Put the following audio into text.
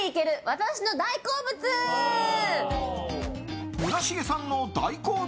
私の大好物！